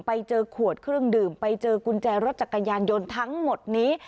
ไปเจอขวดเครื่องดื่มไปเจอกุญแจรถจักรยานยนต์ทั้งหมดนี้